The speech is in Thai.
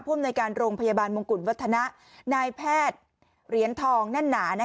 อำนวยการโรงพยาบาลมงกุฎวัฒนะนายแพทย์เหรียญทองแน่นหนา